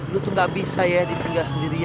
lu tuh gak bisa ya di tangga sendirian lu ya